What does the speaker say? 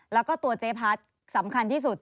แล้วก็ตัวเจ๊พัดสำคัญที่สุด